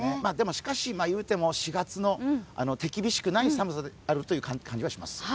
しかし言うても４月の手厳しくない寒さになるという感じがします。